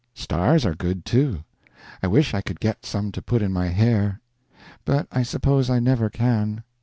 Stars are good, too. I wish I could get some to put in my hair. But I suppose I never can.